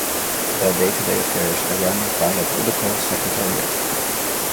The day-to-day affairs are run by a Political Secretariat.